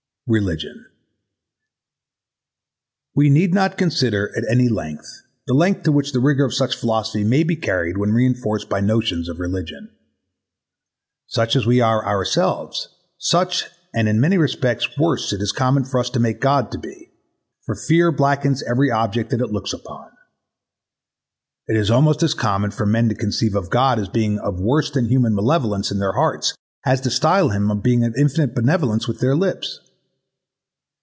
Religion We need not consider at any length [the length] to which the rigour of such philosophy may be carried when reinforced by notions of religion. Such as we are ourselves, such and in many respects worse it is common for us to make God to be: for fear blackens every object that it looks upon. It is almost as common for men to conceive of God as a being of worse than human malevolence in their hearts, as to stile [?] him a being of infinite benevolence with their lips.